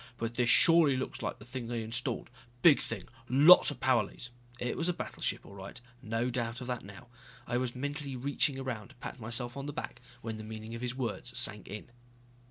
But this surely looks like the thing they installed. Big thing. Lots of power leads " It was a battleship all right, no doubt of that now. I was mentally reaching around to pat myself on the back when the meaning of his words sank in.